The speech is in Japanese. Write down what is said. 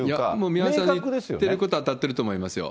宮根さん言ってること、当たっていると思いますよ。